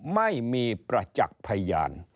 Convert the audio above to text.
ไม่มีประจักษ์พยาน